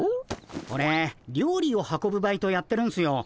オレ料理を運ぶバイトやってるんすよ。